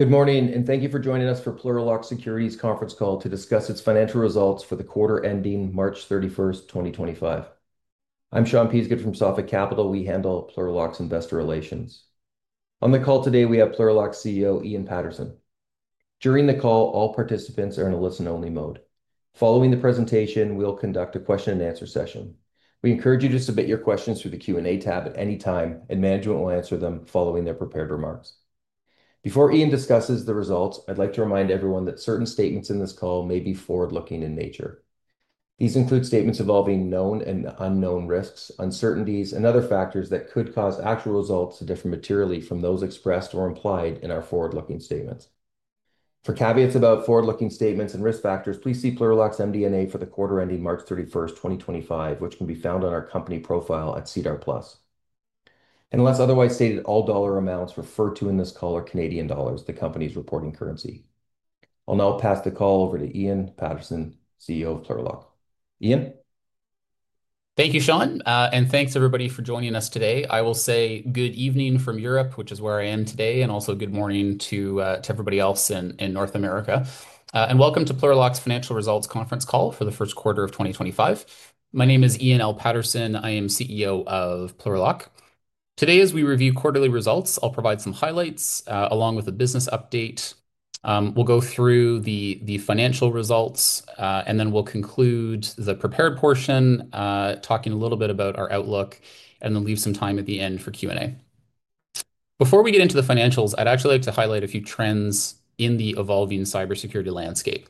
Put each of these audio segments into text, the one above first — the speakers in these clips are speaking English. Good morning, and thank you for joining us for Plurilock Security's conference call to discuss its financial results for the quarter ending March 31, 2025. I'm Sean Peasgood from Sophic Capital. We handle Plurilock's investor relations. On the call today, we have Plurilock CEO Ian Paterson. During the call, all participants are in a listen-only mode. Following the presentation, we'll conduct a question-and-answer session. We encourage you to submit your questions through the Q&A tab at any time, and management will answer them following their prepared remarks. Before Ian discusses the results, I'd like to remind everyone that certain statements in this call may be forward-looking in nature. These include statements involving known and unknown risks, uncertainties, and other factors that could cause actual results to differ materially from those expressed or implied in our forward-looking statements. For caveats about forward-looking statements and risk factors, please see Plurilock's MD&A for the quarter ending March 31, 2025, which can be found on our company profile at SEDAR+. Unless otherwise stated, all dollar amounts referred to in this call are CAD, the company's reporting currency. I'll now pass the call over to Ian Paterson, CEO of Plurilock. Ian? Thank you, Sean, and thanks, everybody, for joining us today. I will say good evening from Europe, which is where I am today, and also good morning to everybody else in North America. Welcome to Plurilock's financial results conference call for the first quarter of 2025. My name is Ian Paterson. I am CEO of Plurilock. Today, as we review quarterly results, I'll provide some highlights along with a business update. We'll go through the financial results, and then we'll conclude the prepared portion, talking a little bit about our outlook, and then leave some time at the end for Q&A. Before we get into the financials, I'd actually like to highlight a few trends in the evolving cybersecurity landscape.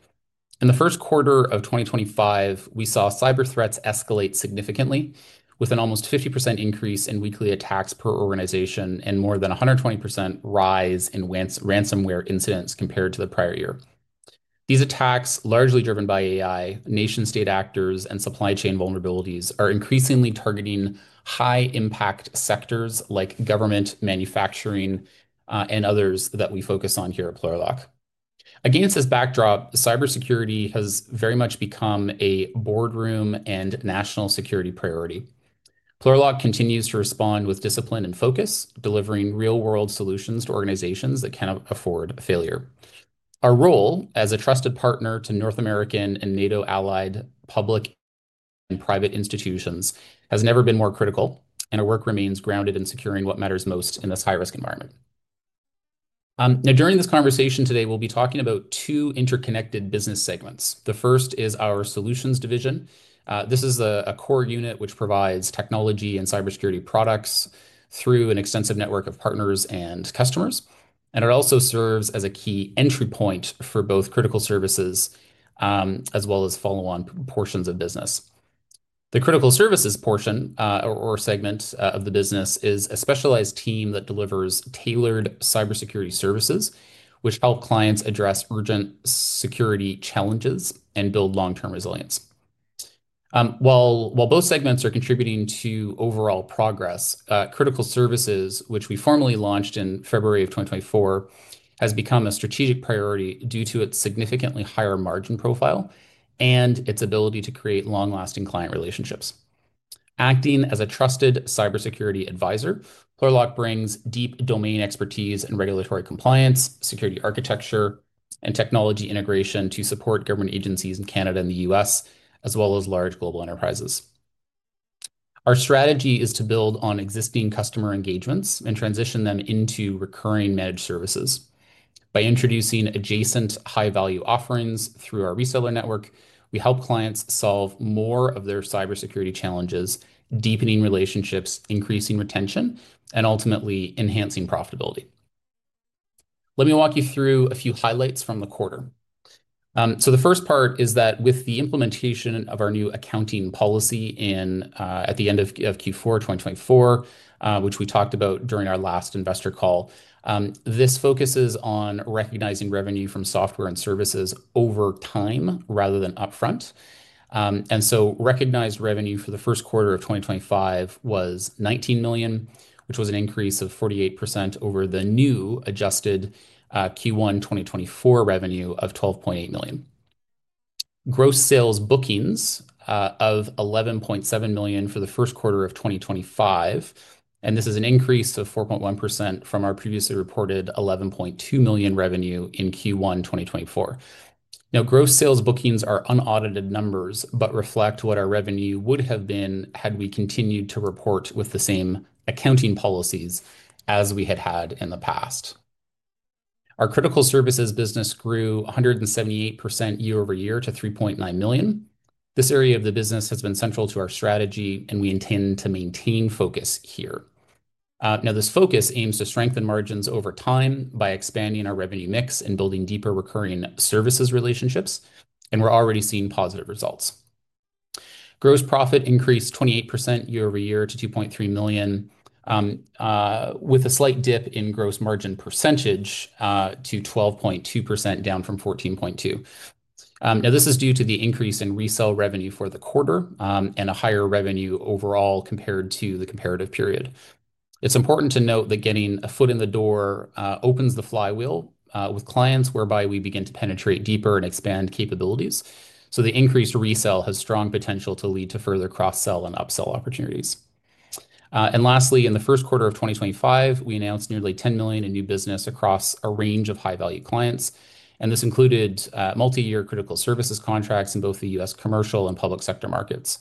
In the first quarter of 2025, we saw cyber threats escalate significantly, with an almost 50% increase in weekly attacks per organization and more than 120% rise in ransomware incidents compared to the prior year. These attacks, largely driven by AI, nation-state actors, and supply chain vulnerabilities, are increasingly targeting high-impact sectors like government, manufacturing, and others that we focus on here at Plurilock. Against this backdrop, cybersecurity has very much become a boardroom and national security priority. Plurilock continues to respond with discipline and focus, delivering real-world solutions to organizations that can't afford failure. Our role as a trusted partner to North American and NATO-allied public and private institutions has never been more critical, and our work remains grounded in securing what matters most in this high-risk environment. Now, during this conversation today, we'll be talking about two interconnected business segments. The first is our Solutions Division. This is a core unit which provides technology and cybersecurity products through an extensive network of partners and customers, and it also serves as a key entry point for both critical services as well as follow-on portions of business. The critical services portion or segment of the business is a specialized team that delivers tailored cybersecurity services, which help clients address urgent security challenges and build long-term resilience. While both segments are contributing to overall progress, critical services, which we formally launched in February of 2024, have become a strategic priority due to its significantly higher margin profile and its ability to create long-lasting client relationships. Acting as a trusted cybersecurity advisor, Plurilock brings deep domain expertise in regulatory compliance, security architecture, and technology integration to support government agencies in Canada and the U.S., as well as large global enterprises. Our strategy is to build on existing customer engagements and transition them into recurring managed services. By introducing adjacent high-value offerings through our reseller network, we help clients solve more of their cybersecurity challenges, deepening relationships, increasing retention, and ultimately enhancing profitability. Let me walk you through a few highlights from the quarter. The first part is that with the implementation of our new accounting policy at the end of Q4 2024, which we talked about during our last investor call, this focuses on recognizing revenue from software and services over time rather than upfront. Recognized revenue for the first quarter of 2025 was 19 million, which was an increase of 48% over the new adjusted Q1 2024 revenue of 12.8 million. Gross sales bookings of 11.7 million for the first quarter of 2025, and this is an increase of 4.1% from our previously reported 11.2 million revenue in Q1 2024. Now, gross sales bookings are unaudited numbers but reflect what our revenue would have been had we continued to report with the same accounting policies as we had had in the past. Our critical services business grew 178% year over year to 3.9 million. This area of the business has been central to our strategy, and we intend to maintain focus here. Now, this focus aims to strengthen margins over time by expanding our revenue mix and building deeper recurring services relationships, and we're already seeing positive results. Gross profit increased 28% year over year to 2.3 million, with a slight dip in gross margin percentage to 12.2%, down from 14.2%. Now, this is due to the increase in resale revenue for the quarter and a higher revenue overall compared to the comparative period. It's important to note that getting a foot in the door opens the flywheel with clients, whereby we begin to penetrate deeper and expand capabilities. The increased resale has strong potential to lead to further cross-sell and upsell opportunities. Lastly, in the first quarter of 2025, we announced nearly 10 million in new business across a range of high-value clients, and this included multi-year critical services contracts in both the U.S. commercial and public sector markets.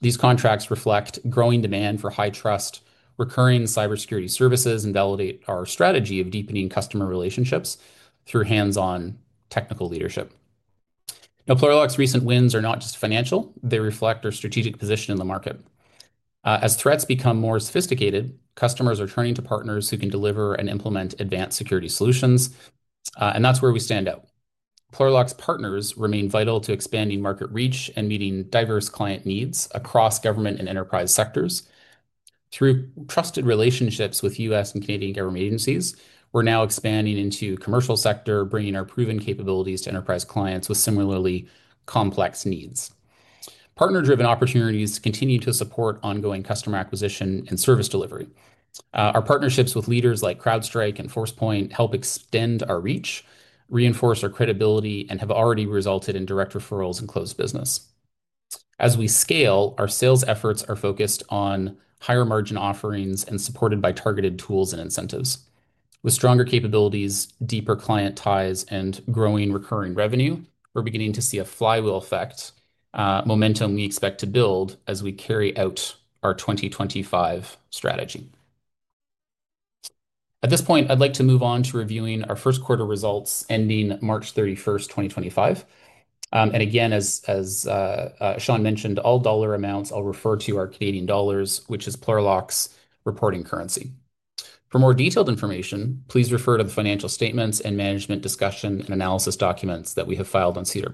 These contracts reflect growing demand for high trust, recurring cybersecurity services, and validate our strategy of deepening customer relationships through hands-on technical leadership. Plurilock's recent wins are not just financial; they reflect our strategic position in the market. As threats become more sophisticated, customers are turning to partners who can deliver and implement advanced security solutions, and that's where we stand out. Plurilock's partners remain vital to expanding market reach and meeting diverse client needs across government and enterprise sectors. Through trusted relationships with U.S. and Canadian government agencies, we're now expanding into the commercial sector, bringing our proven capabilities to enterprise clients with similarly complex needs. Partner-driven opportunities continue to support ongoing customer acquisition and service delivery. Our partnerships with leaders like CrowdStrike and Forcepoint help extend our reach, reinforce our credibility, and have already resulted in direct referrals and closed business. As we scale, our sales efforts are focused on higher margin offerings and supported by targeted tools and incentives. With stronger capabilities, deeper client ties, and growing recurring revenue, we're beginning to see a flywheel effect, momentum we expect to build as we carry out our 2025 strategy. At this point, I'd like to move on to reviewing our first quarter results ending March 31, 2025. As Sean mentioned, all dollar amounts are referred to as CAD, which is Plurilock's reporting currency. For more detailed information, please refer to the financial statements and management discussion and analysis documents that we have filed on SEDAR+.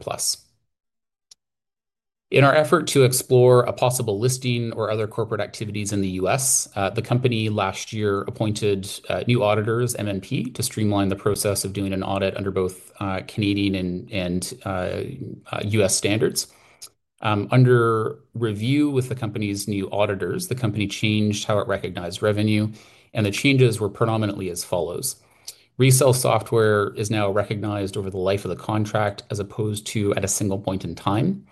In our effort to explore a possible listing or other corporate activities in the U.S., the company last year appointed new auditors, MNP, to streamline the process of doing an audit under both Canadian and U.S. standards. Under review with the company's new auditors, the company changed how it recognized revenue, and the changes were predominantly as follows. Resale software is now recognized over the life of the contract as opposed to at a single point in time.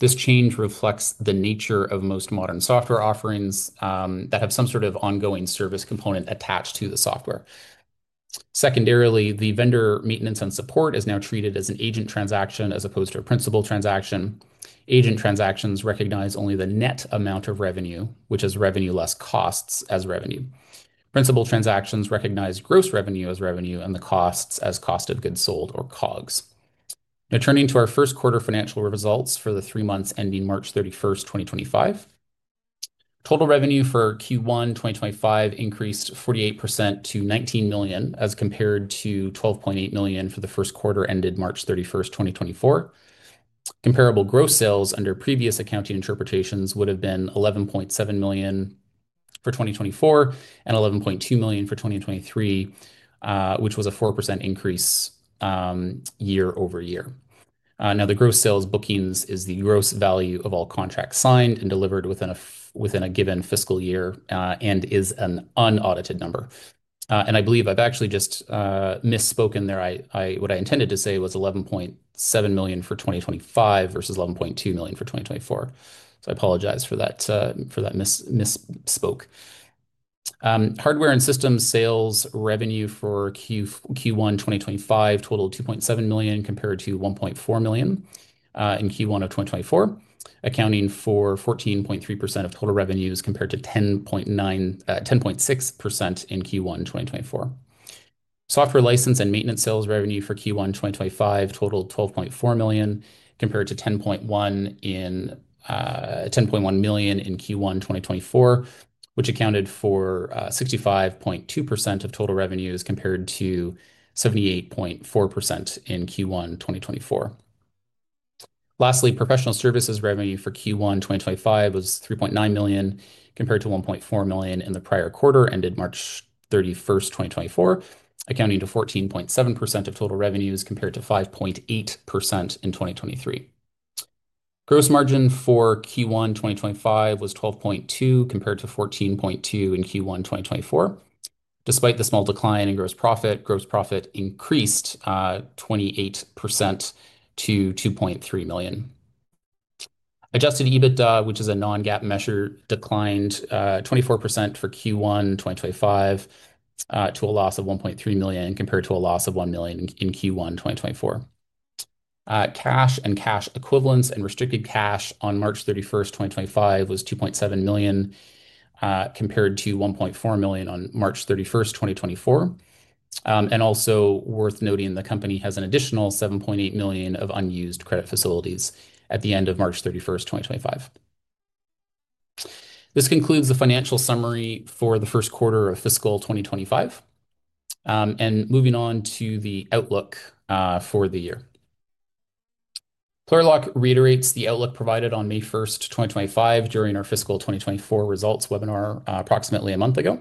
This change reflects the nature of most modern software offerings that have some sort of ongoing service component attached to the software. Secondarily, the vendor maintenance and support is now treated as an agent transaction as opposed to a principal transaction. Agent transactions recognize only the net amount of revenue, which is revenue less costs as revenue. Principal transactions recognize gross revenue as revenue and the costs as cost of goods sold or COGS. Now, turning to our first quarter financial results for the three months ending March 31, 2025, total revenue for Q1 2025 increased 48% to 19 million as compared to 12.8 million for the first quarter ended March 31, 2024. Comparable gross sales under previous accounting interpretations would have been 11.7 million for 2024 and 11.2 million for 2023, which was a 4% increase year over year. Now, the gross sales bookings is the gross value of all contracts signed and delivered within a given fiscal year and is an unaudited number. I believe I've actually just misspoken there. What I intended to say was 11.7 million for 2025 versus 11.2 million for 2024. I apologize for that misspoke. Hardware and systems sales revenue for Q1 2025 totaled 2.7 million compared to 1.4 million in Q1 of 2024, accounting for 14.3% of total revenues compared to 10.6% in Q1 2024. Software license and maintenance sales revenue for Q1 2025 totaled 12.4 million compared to 10.1 million in Q1 2024, which accounted for 65.2% of total revenues compared to 78.4% in Q1 2024. Lastly, professional services revenue for Q1 2025 was 3.9 million compared to 1.4 million in the prior quarter ended March 31, 2024, accounting for 14.7% of total revenues compared to 5.8% in 2023. Gross margin for Q1 2025 was 12.2% compared to 14.2% in Q1 2024. Despite the small decline in gross margin, gross profit increased 28% to 2.3 million. Adjusted EBITDA, which is a non-GAAP measure, declined 24% for Q1 2025 to a loss of 1.3 million compared to a loss of 1 million in Q1 2024. Cash and cash equivalents and restricted cash on March 31, 2025, was 2.7 million compared to 1.4 million on March 31, 2024. It is also worth noting the company has an additional 7.8 million of unused credit facilities at the end of March 31, 2025. This concludes the financial summary for the first quarter of fiscal 2025. Moving on to the outlook for the year. Plurilock reiterates the outlook provided on May 1, 2025, during our fiscal 2024 results webinar approximately a month ago.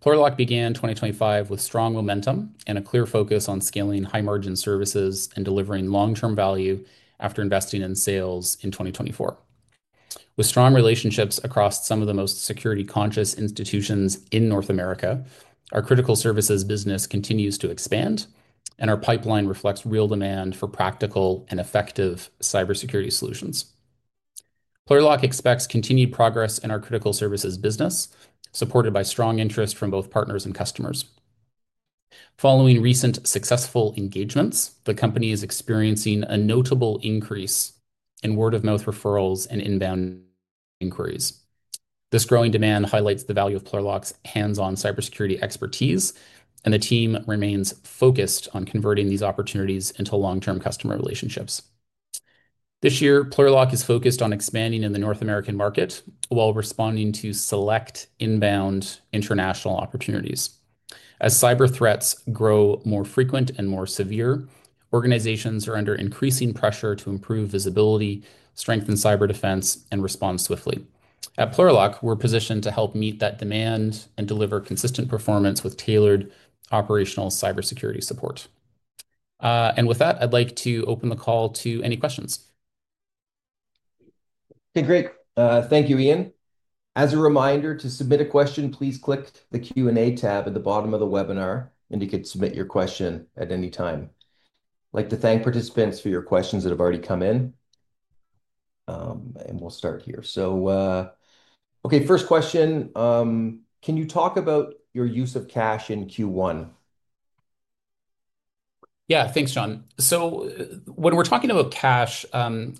Plurilock began 2025 with strong momentum and a clear focus on scaling high-margin services and delivering long-term value after investing in sales in 2024. With strong relationships across some of the most security-conscious institutions in North America, our critical services business continues to expand, and our pipeline reflects real demand for practical and effective cybersecurity solutions. Plurilock expects continued progress in our critical services business, supported by strong interest from both partners and customers. Following recent successful engagements, the company is experiencing a notable increase in word-of-mouth referrals and inbound inquiries. This growing demand highlights the value of Plurilock's hands-on cybersecurity expertise, and the team remains focused on converting these opportunities into long-term customer relationships. This year, Plurilock is focused on expanding in the North American market while responding to select inbound international opportunities. As cyber threats grow more frequent and more severe, organizations are under increasing pressure to improve visibility, strengthen cyber defense, and respond swiftly. At Plurilock, we're positioned to help meet that demand and deliver consistent performance with tailored operational cybersecurity support. With that, I'd like to open the call to any questions. Hey, Greg. Thank you, Ian. As a reminder, to submit a question, please click the Q&A tab at the bottom of the webinar, and you can submit your question at any time. I'd like to thank participants for your questions that have already come in. We'll start here. Okay, first question. Can you talk about your use of cash in Q1? Yeah, thanks, Sean. When we're talking about cash, we tend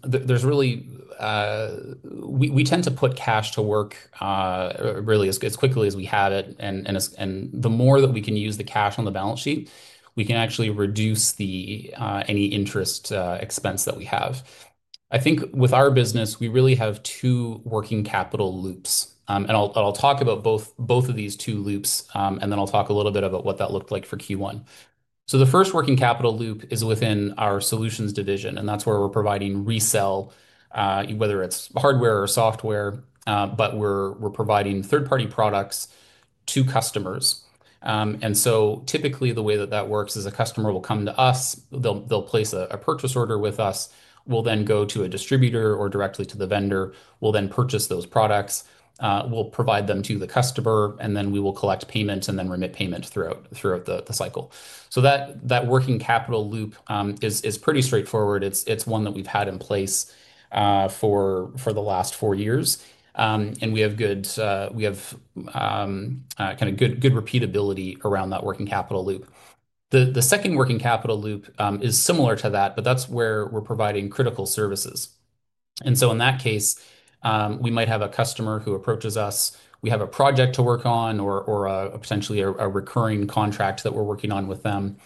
to put cash to work really as quickly as we have it. The more that we can use the cash on the balance sheet, we can actually reduce any interest expense that we have. I think with our business, we really have two working capital loops. I'll talk about both of these two loops, and then I'll talk a little bit about what that looked like for Q1. The first working capital loop is within our Solutions Division, and that's where we're providing resale, whether it's hardware or software, but we're providing third-party products to customers. Typically, the way that that works is a customer will come to us, they'll place a purchase order with us, we'll then go to a distributor or directly to the vendor, we'll then purchase those products, we'll provide them to the customer, and then we will collect payments and then remit payments throughout the cycle. That working capital loop is pretty straightforward. It's one that we've had in place for the last four years. We have kind of good repeatability around that working capital loop. The second working capital loop is similar to that, but that's where we're providing critical services. In that case, we might have a customer who approaches us, we have a project to work on, or potentially a recurring contract that we're working on with them.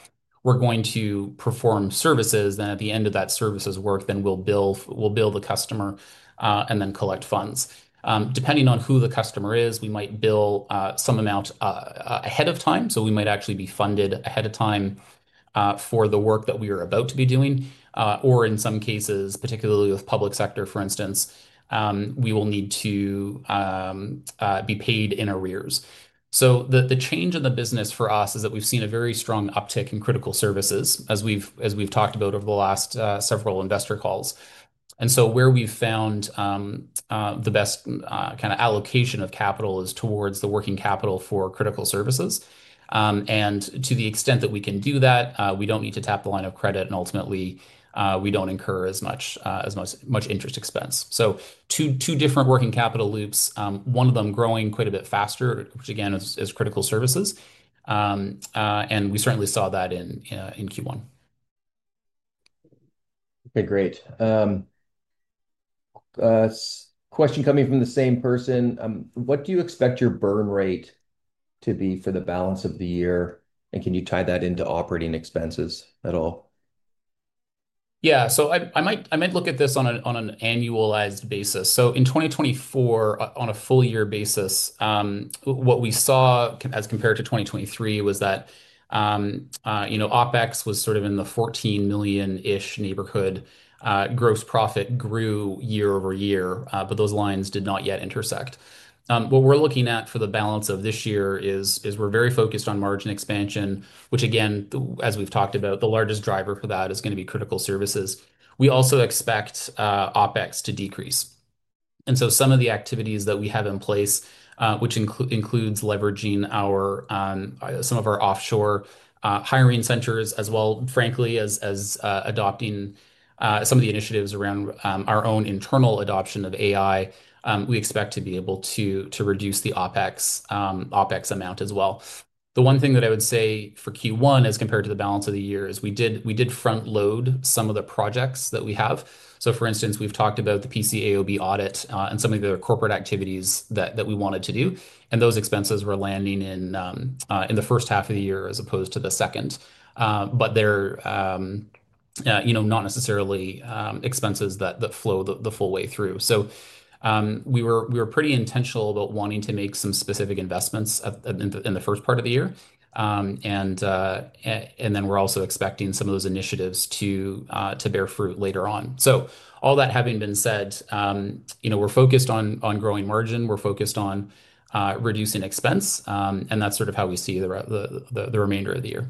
We're going to perform services, then at the end of that services work, then we'll bill the customer and then collect funds. Depending on who the customer is, we might bill some amount ahead of time. We might actually be funded ahead of time for the work that we are about to be doing. In some cases, particularly with public sector, for instance, we will need to be paid in arrears. The change in the business for us is that we've seen a very strong uptick in critical services, as we've talked about over the last several investor calls. Where we've found the best kind of allocation of capital is towards the working capital for critical services. To the extent that we can do that, we don't need to tap the line of credit, and ultimately, we don't incur as much interest expense. Two different working capital loops, one of them growing quite a bit faster, which again is critical services. We certainly saw that in Q1. Okay, great. Question coming from the same person. What do you expect your burn rate to be for the balance of the year? Can you tie that into operating expenses at all? Yeah. I might look at this on an annualized basis. In 2024, on a full-year basis, what we saw as compared to 2023 was that OpEx was sort of in the 14 million-ish neighborhood. Gross profit grew year over year, but those lines did not yet intersect. What we're looking at for the balance of this year is we're very focused on margin expansion, which again, as we've talked about, the largest driver for that is going to be critical services. We also expect OpEx to decrease. Some of the activities that we have in place, which includes leveraging some of our offshore hiring centers as well, frankly, as adopting some of the initiatives around our own internal adoption of AI, we expect to be able to reduce the OpEx amount as well. The one thing that I would say for Q1, as compared to the balance of the year, is we did front-load some of the projects that we have. For instance, we've talked about the PCAOB audit and some of the corporate activities that we wanted to do. Those expenses were landing in the first half of the year as opposed to the second. They're not necessarily expenses that flow the full way through. We were pretty intentional about wanting to make some specific investments in the first part of the year. Then we're also expecting some of those initiatives to bear fruit later on. All that having been said, we're focused on growing margin. We're focused on reducing expense. That's sort of how we see the remainder of the year.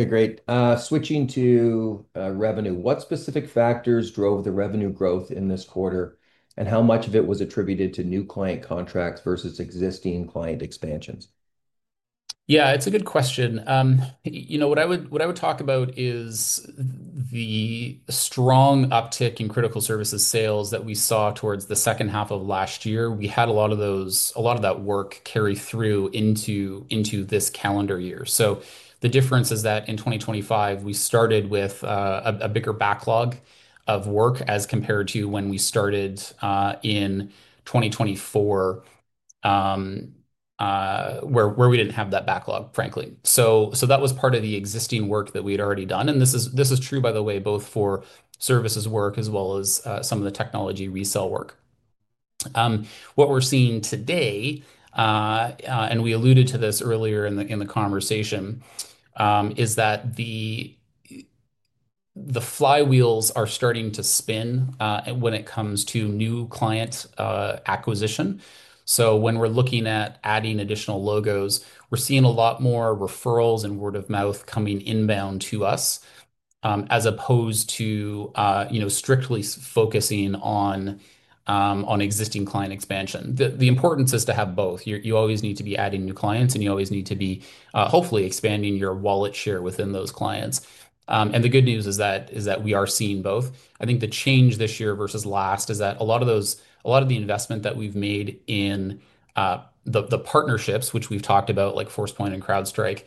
Okay, great. Switching to revenue, what specific factors drove the revenue growth in this quarter? How much of it was attributed to new client contracts versus existing client expansions? Yeah, it's a good question. What I would talk about is the strong uptick in critical services sales that we saw towards the second half of last year. We had a lot of that work carry through into this calendar year. The difference is that in 2025, we started with a bigger backlog of work as compared to when we started in 2024, where we didn't have that backlog, frankly. That was part of the existing work that we had already done. This is true, by the way, both for services work as well as some of the technology resale work. What we're seeing today, and we alluded to this earlier in the conversation, is that the flywheels are starting to spin when it comes to new client acquisition. When we're looking at adding additional logos, we're seeing a lot more referrals and word-of-mouth coming inbound to us as opposed to strictly focusing on existing client expansion. The importance is to have both. You always need to be adding new clients, and you always need to be hopefully expanding your wallet share within those clients. The good news is that we are seeing both. I think the change this year versus last is that a lot of the investment that we've made in the partnerships, which we've talked about, like Forcepoint and CrowdStrike,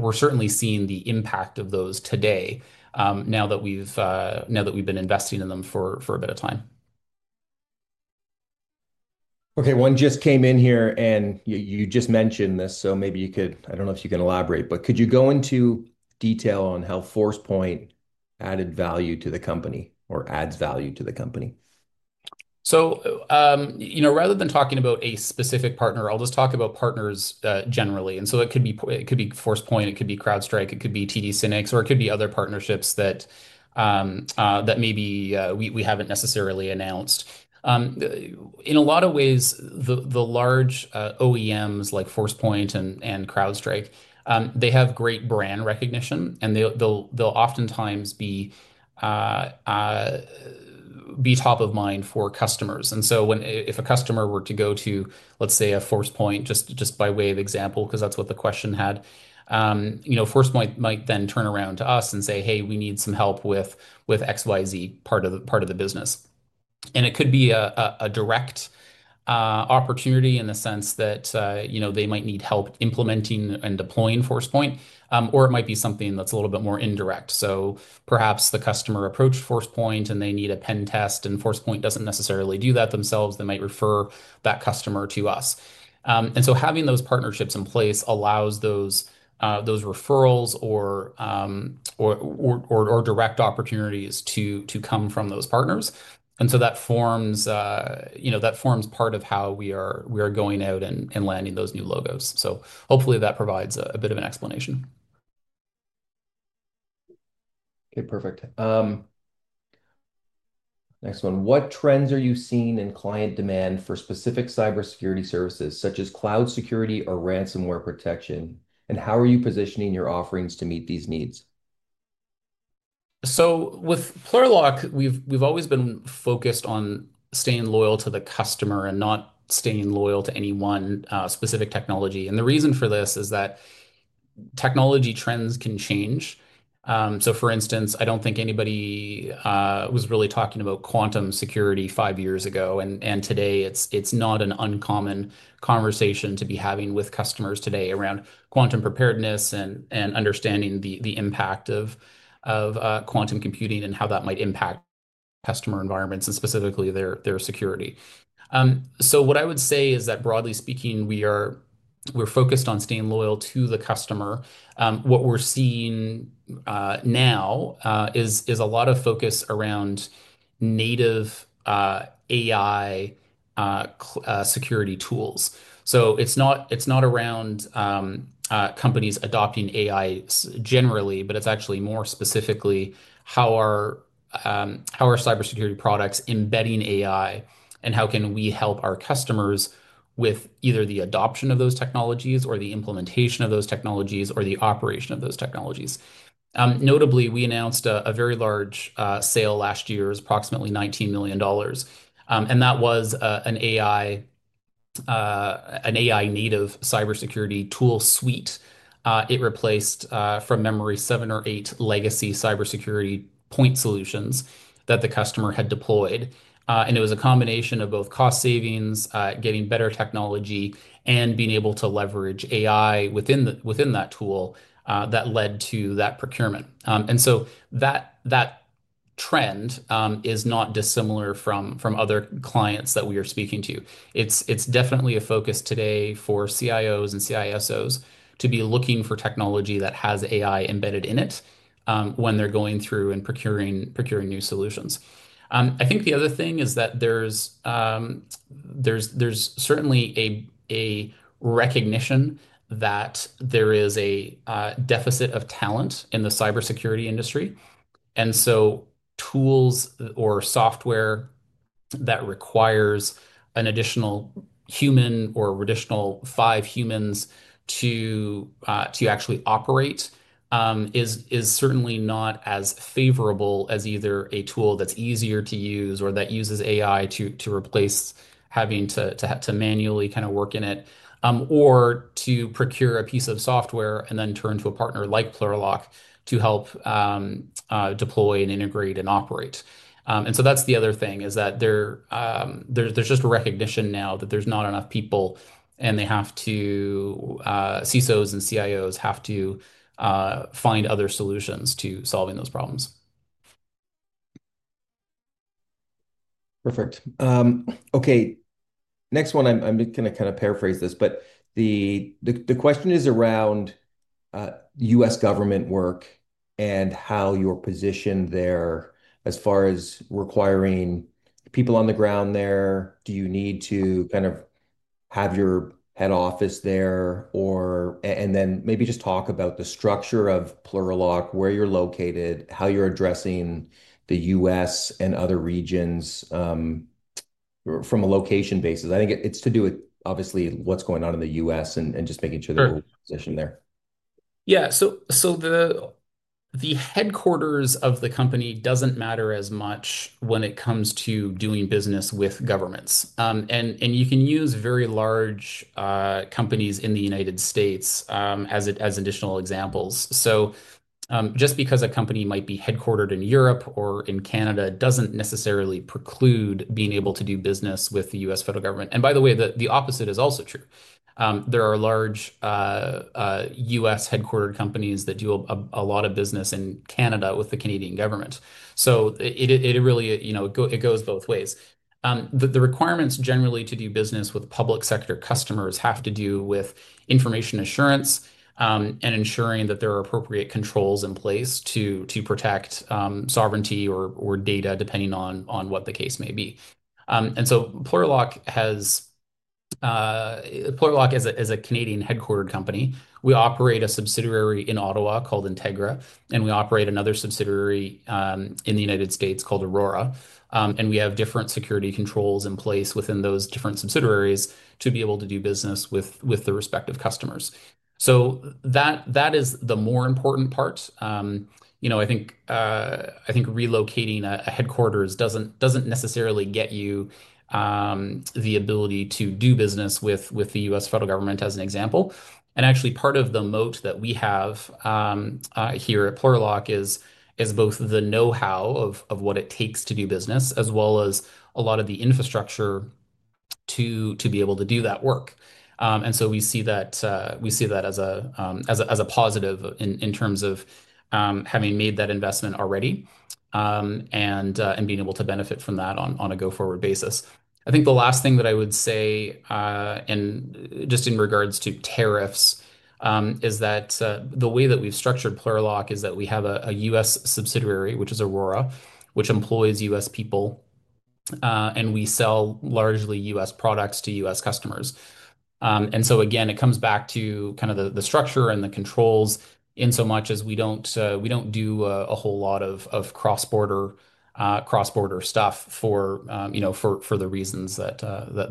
we're certainly seeing the impact of those today now that we've been investing in them for a bit of time. Okay, one just came in here, and you just mentioned this, so maybe you could—I don't know if you can elaborate, but could you go into detail on how Forcepoint added value to the company or adds value to the company? Rather than talking about a specific partner, I'll just talk about partners generally. It could be Forcepoint, it could be CrowdStrike, it could be TD SYNNEX, or it could be other partnerships that maybe we haven't necessarily announced. In a lot of ways, the large OEMs like Forcepoint and CrowdStrike, they have great brand recognition, and they'll oftentimes be top of mind for customers. If a customer were to go to, let's say, a Forcepoint, just by way of example, because that's what the question had, Forcepoint might then turn around to us and say, "Hey, we need some help with XYZ part of the business." It could be a direct opportunity in the sense that they might need help implementing and deploying Forcepoint, or it might be something that's a little bit more indirect. Perhaps the customer approached Forcepoint, and they need a pen test, and Forcepoint doesn't necessarily do that themselves. They might refer that customer to us. Having those partnerships in place allows those referrals or direct opportunities to come from those partners. That forms part of how we are going out and landing those new logos. Hopefully that provides a bit of an explanation. Okay, perfect. Next one. What trends are you seeing in client demand for specific cybersecurity services, such as cloud security or ransomware protection? How are you positioning your offerings to meet these needs? With Plurilock, we've always been focused on staying loyal to the customer and not staying loyal to any one specific technology. The reason for this is that technology trends can change. For instance, I do not think anybody was really talking about quantum security five years ago. Today, it is not an uncommon conversation to be having with customers around quantum preparedness and understanding the impact of quantum computing and how that might impact customer environments and specifically their security. What I would say is that broadly speaking, we're focused on staying loyal to the customer. What we're seeing now is a lot of focus around native AI security tools. It's not around companies adopting AI generally, but it's actually more specifically how are cybersecurity products embedding AI and how can we help our customers with either the adoption of those technologies or the implementation of those technologies or the operation of those technologies. Notably, we announced a very large sale last year, approximately 19 million dollars. That was an AI-native cybersecurity tool suite. It replaced, from memory, seven or eight legacy cybersecurity point solutions that the customer had deployed. It was a combination of both cost savings, getting better technology, and being able to leverage AI within that tool that led to that procurement. That trend is not dissimilar from other clients that we are speaking to. It's definitely a focus today for CIOs and CISOs to be looking for technology that has AI embedded in it when they're going through and procuring new solutions. I think the other thing is that there's certainly a recognition that there is a deficit of talent in the cybersecurity industry. Tools or software that requires an additional human or additional five humans to actually operate is certainly not as favorable as either a tool that's easier to use or that uses AI to replace having to manually kind of work in it or to procure a piece of software and then turn to a partner like Plurilock to help deploy and integrate and operate. That is the other thing, is that there is just a recognition now that there are not enough people, and CISOs and CIOs have to find other solutions to solving those problems. Perfect. Okay. Next one, I am going to kind of paraphrase this, but the question is around U.S. government work and how you are positioned there as far as requiring people on the ground there. Do you need to kind of have your head office there? And then maybe just talk about the structure of Plurilock, where you are located, how you are addressing the U.S. and other regions from a location basis. I think it is to do with, obviously, what is going on in the U.S. and just making sure that we are positioned there. Yeah. The headquarters of the company does not matter as much when it comes to doing business with governments. You can use very large companies in the United States as additional examples. Just because a company might be headquartered in Europe or in Canada does not necessarily preclude being able to do business with the U.S. federal government. By the way, the opposite is also true. There are large U.S.-headquartered companies that do a lot of business in Canada with the Canadian government. It really goes both ways. The requirements generally to do business with public sector customers have to do with information assurance and ensuring that there are appropriate controls in place to protect sovereignty or data, depending on what the case may be. Plurilock, as a Canadian-headquartered company, operates a subsidiary in Ottawa called Integra, and operates another subsidiary in the United States called Aurora. We have different security controls in place within those different subsidiaries to be able to do business with the respective customers. That is the more important part. I think relocating a headquarters does not necessarily get you the ability to do business with the U.S. federal government, as an example. Actually, part of the moat that we have here at Plurilock is both the know-how of what it takes to do business as well as a lot of the infrastructure to be able to do that work. We see that as a positive in terms of having made that investment already and being able to benefit from that on a go-forward basis. I think the last thing that I would say, just in regards to tariffs, is that the way that we have structured Plurilock is that we have a U.S. subsidiary, which is Aurora, which employs U.S. people, and we sell largely U.S. products to U.S. customers. It comes back to kind of the structure and the controls in so much as we do not do a whole lot of cross-border stuff for the reasons that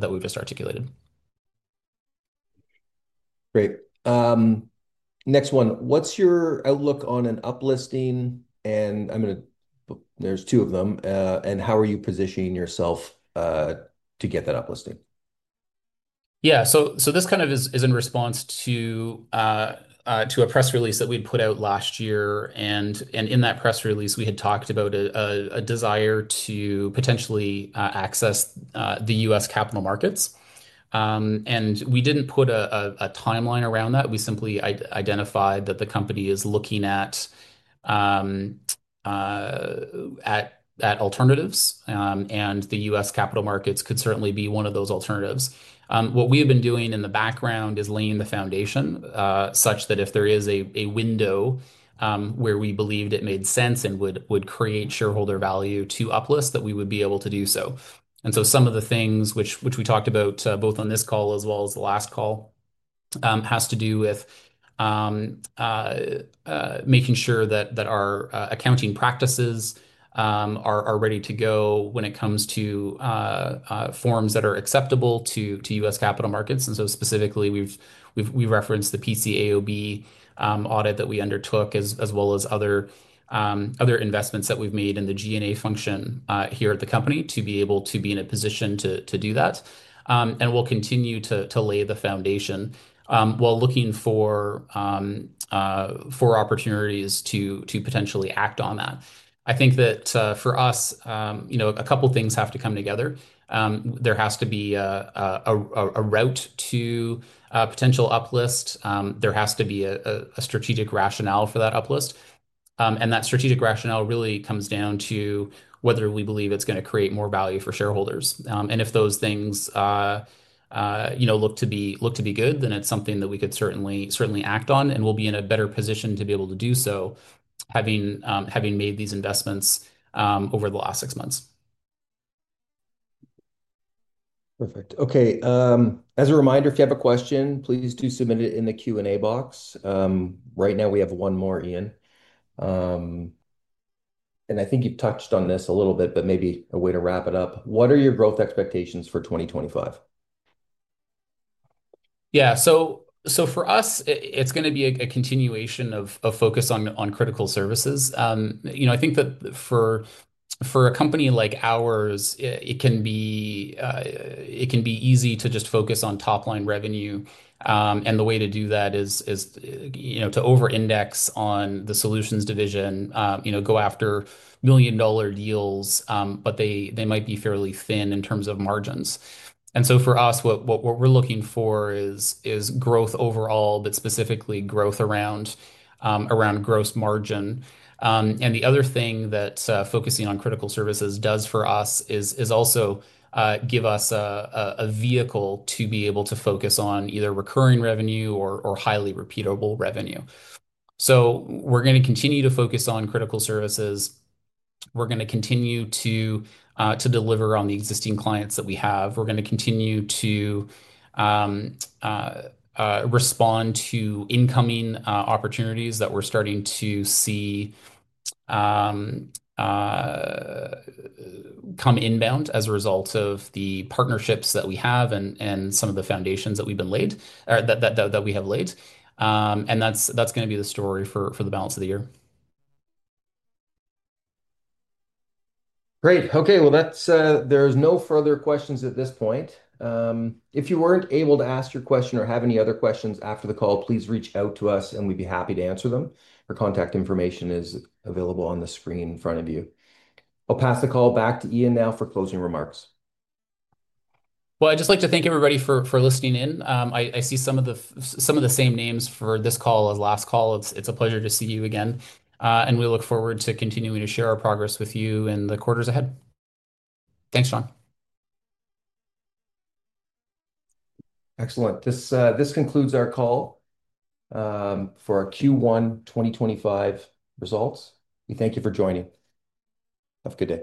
we have just articulated. Great. Next one. What is your outlook on an uplisting? And there are two of them. How are you positioning yourself to get that uplisting? Yeah. This is in response to a press release that we put out last year. In that press release, we had talked about a desire to potentially access the U.S. capital markets. We did not put a timeline around that. We simply identified that the company is looking at alternatives, and the U.S. capital markets could certainly be one of those alternatives. What we have been doing in the background is laying the foundation such that if there is a window where we believed it made sense and would create shareholder value to uplist, that we would be able to do so. Some of the things which we talked about both on this call as well as the last call has to do with making sure that our accounting practices are ready to go when it comes to forms that are acceptable to U.S. capital markets. Specifically, we've referenced the PCAOB audit that we undertook as well as other investments that we've made in the G&A function here at the company to be able to be in a position to do that. We'll continue to lay the foundation while looking for opportunities to potentially act on that. I think that for us, a couple of things have to come together. There has to be a route to a potential uplist. There has to be a strategic rationale for that uplist. That strategic rationale really comes down to whether we believe it's going to create more value for shareholders. If those things look to be good, then it's something that we could certainly act on, and we'll be in a better position to be able to do so having made these investments over the last six months. Perfect. Okay. As a reminder, if you have a question, please do submit it in the Q&A box. Right now, we have one more, Ian. I think you've touched on this a little bit, but maybe a way to wrap it up. What are your growth expectations for 2025? Yeah. For us, it's going to be a continuation of focus on critical services. I think that for a company like ours, it can be easy to just focus on top-line revenue. The way to do that is to over-index on the Solutions Division, go after million-dollar deals, but they might be fairly thin in terms of margins. For us, what we're looking for is growth overall, but specifically growth around gross margin. The other thing that focusing on critical services does for us is also give us a vehicle to be able to focus on either recurring revenue or highly repeatable revenue. We're going to continue to focus on critical services. We're going to continue to deliver on the existing clients that we have. We're going to continue to respond to incoming opportunities that we're starting to see come inbound as a result of the partnerships that we have and some of the foundations that we have laid. That's going to be the story for the balance of the year. Great. Okay. There's no further questions at this point. If you weren't able to ask your question or have any other questions after the call, please reach out to us, and we'd be happy to answer them. Our contact information is available on the screen in front of you. I'll pass the call back to Ian now for closing remarks. I'd just like to thank everybody for listening in. I see some of the same names for this call as last call. It's a pleasure to see you again. We look forward to continuing to share our progress with you in the quarters ahead. Thanks, Sean. Excellent. This concludes our call for our Q1 2025 results. We thank you for joining. Have a good day.